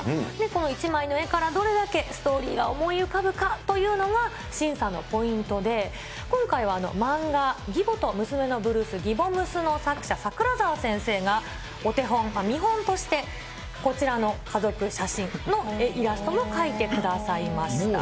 この一枚の絵からどれだけストーリーが思い浮かぶかというのが審査のポイントで、今回は漫画、義母と娘のブルース、ぎぼむすの作者、桜沢先生が、お手本、見本としてこちらの家族写真のイラストを描いてくださいました。